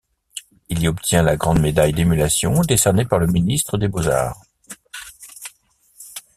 Il y obtient la grande médaille d'émulation décernée par le ministre des Beaux-arts.